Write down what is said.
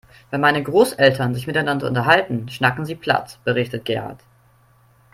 "Wenn meine Großeltern sich miteinander unterhalten, schnacken sie platt", berichtet Gerhard.